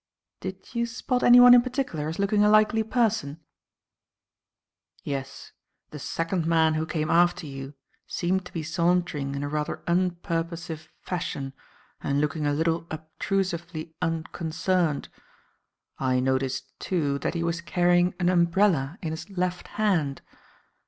"Did you spot anyone in particular as looking a likely person?" "Yes. The second man who came after you seemed to be sauntering in a rather unpurposive fashion and looking a little obtrusively unconcerned. I noticed, too, that he was carrying an umbrella in his left hand.